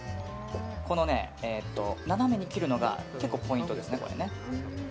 斜めに切るのが結構、ポイントですね。